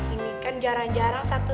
ini kan jarang jarang sama siti ya